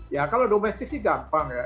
ya kalau domestik sih gampang ya